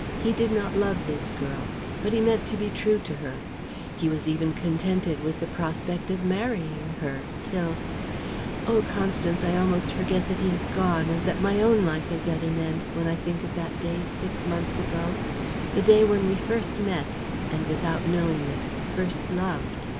He did not love this girl, but he meant to be true to her. He was even contented with the prospect of marrying her, till Oh, Constance, I almost forget that he is gone, and that my own life is at an end, when I think of that day, six months ago the day when we first met, and, without knowing it, first loved.